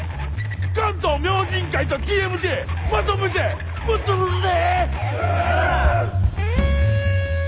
「関東明神会」と「ＴＭＴ」まとめてぶっ潰すぜ！